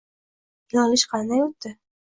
Yig'ilish qanday o'tdi?